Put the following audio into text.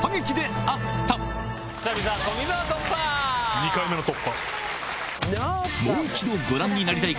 ２回目の突破！